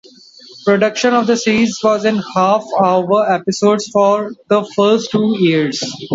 Production of the series was in half-hour episodes for the first two years.